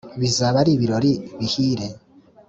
bizaba ari ibirori bihire